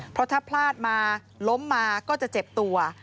เพราะถ้าพลาดมาล้มมาก็จะเจ็บตัว